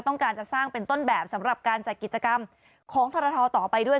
ต้องการจะสร้างเป็นต้นแบบสำหรับการจัดกิจกรรมของทรทต่อไปด้วย